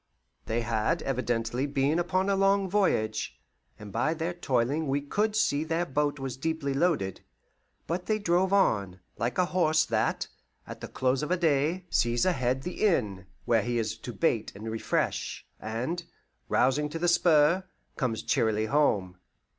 '" They had evidently been upon a long voyage, and by their toiling we could see their boat was deep loaded; but they drove on, like a horse that, at the close of day, sees ahead the inn where he is to bait and refresh, and, rousing to the spur, comes cheerily home.